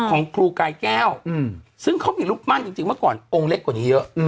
ของครูกายแก้วอืมซึ่งเขาเป็นลูกมั่นจริงจริงเมื่อก่อนโองเล็กกว่านี้เยอะ